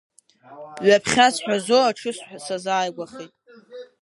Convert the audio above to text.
Ҩаԥхьа сҳәазо аҽы сазааигәахеит.